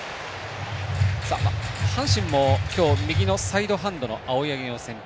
阪神も、今日右のサイドハンドの青柳が先発。